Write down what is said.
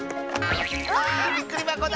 わあびっくりばこだ！